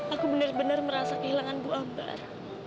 aku benar benar merasa kehilangan bu abar